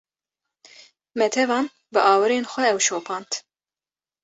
Me tevan bi awirên xwe ew şopand